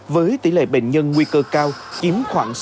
với tỷ lệ bệnh nhân nguy cơ cao chiếm khoảng sáu mươi